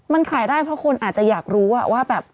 มันขายได้เพราะคนอาจจะอยากรู้ว่าแบบ